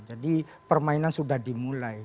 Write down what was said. jadi permainan sudah dimulai